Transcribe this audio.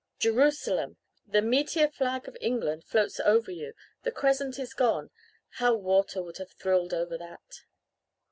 "Jerusalem! The 'meteor flag of England!' floats over you the Crescent is gone. How Walter would have thrilled over that!"